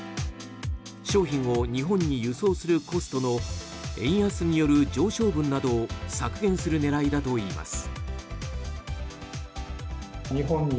商品を日本に輸送するコストの円安による上昇分などを削減する狙いだといいます。